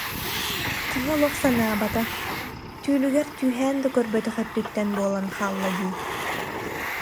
Киһи олох санаабатах, түүлүгэр түһээн да көрбөтөх өттүттэн буолан хаалла дии